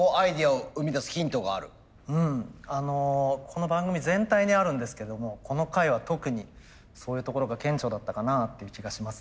この番組全体にあるんですけどもこの回は特にそういうところが顕著だったかなっていう気がしますね。